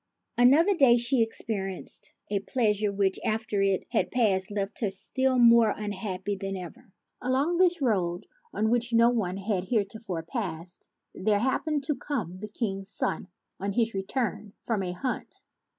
Another day she experienced a pleasure which, after it had passed, left her still more unhappy than ever. Along this road, on which no one had heretofore passed, there happened to come the King's son on his return from a hunt.